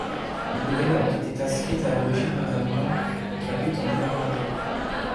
Les nouvelles ont été écrites à l'origine en allemand, puis traduites en néerlandais.